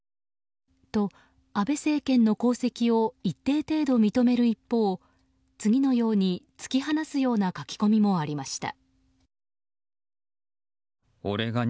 と、安倍政権の功績を一定程度認める一方次のように突き放すような書き込みもありました。